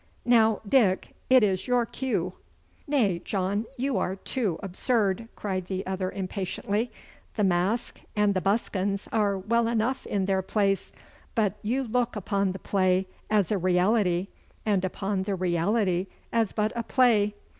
Now, Dick, it is your cue.' 'Nay, John, you are too absurd!' cried the other impatiently. 'The mask and the buskins are well enough in their place, but you look upon the play as a reality and upon the reality as but a play.